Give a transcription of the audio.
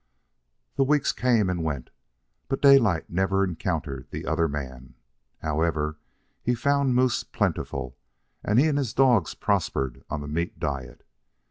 The weeks came and went, but Daylight never encountered the other man. However, he found moose plentiful, and he and his dogs prospered on the meat diet.